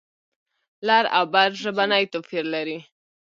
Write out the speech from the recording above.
لر او بر ژبنی توپیر لري.